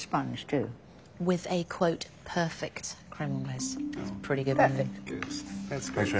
はい。